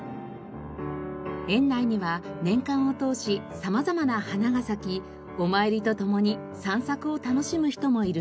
園内には年間を通し様々な花が咲きお参りとともに散策を楽しむ人もいるそうです。